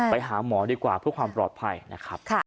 ไปหาหมอดีกว่าเพื่อความปลอดภัยนะครับ